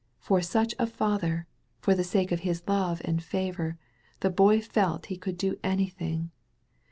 For such a Father, for the sake of His love and favor, the Boy felt he could do anything.